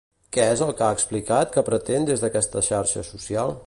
Què és el que ha explicat que pretenen des d'aquesta xarxa social?